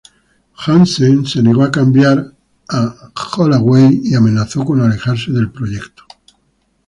Janssen se negó a cambiar a Holloway y amenazó con alejarse del proyecto.